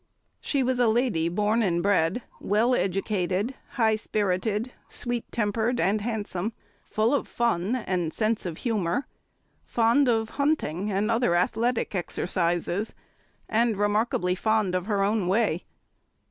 She was a lady born and bred, well educated, high spirited, sweet tempered, and handsome; full of fun and sense of humour, fond of hunting and other athletic exercises, and remarkably fond of her own way.